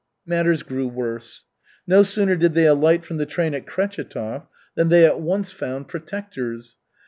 Matters grew worse. No sooner did they alight from the train at Kretchetov than they at once found "protectors."